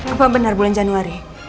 apa benar bulan januari